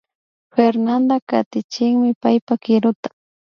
Fernanda katichinmi paypa kiruta